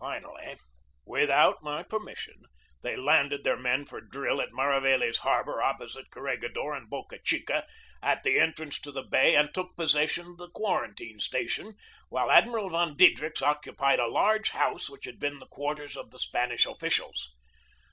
Finally, without my permission, they landed their men for drill at Mariveles harbor opposite Corregi dor and Boca Chica at the entrance to the bay and took possession of the quarantine station, while 264 GEORGE DEWEY Admiral von Diedrichs occupied a large house which had been the quarters of the Spanish officials.